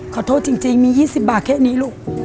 ขอโทษจริงมี๒๐บาทแค่นี้ลูก